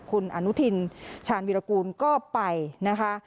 คุณอนุทินชาญวิรากูลก็ไปนะคะ